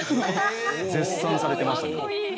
絶賛されてましたね。